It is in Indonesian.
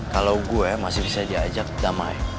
kalau gue masih bisa diajak damai